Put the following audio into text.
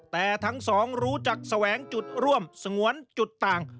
แต่ทั้งสองรู้จักแสวงจุดร่วมสงวนจุดต่าง